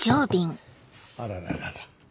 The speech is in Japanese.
あらららら。